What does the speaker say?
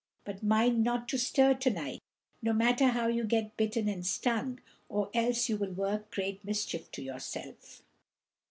But mind not to stir to night no matter how you get bitten and stung, or else you will work great mischief to yourself."